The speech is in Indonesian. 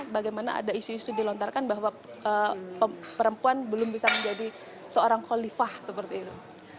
bagaimana ada isu isu dilontarkan bahwa perempuan belum bisa menjadi seorang khalifah seperti itu